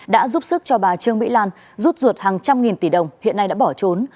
đã giúp sức cho bà trương mỹ lan rút ruột hàng trăm nghìn tỷ đồng hiện nay đã bỏ trốn